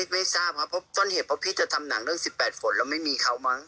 อ๋อไม่ทราบครับต้นเหตุพี่จะทำหนังเรื่องสิบแปดฝนแล้วไม่มีเขามั้ง